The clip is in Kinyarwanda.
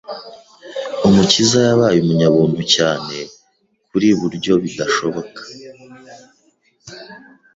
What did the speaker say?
Umukiza yabaye umunyabuntu cyane kuri buryo bidashoboka